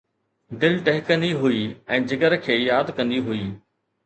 دل ٽهڪندي هئي ۽ جگر کي ياد ڪندي هئي